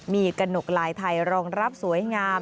มีกระหนกลายไทยรองรับสวยงาม